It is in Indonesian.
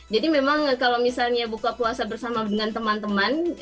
jadi memang kalau misalnya buka puasa bersama dengan teman teman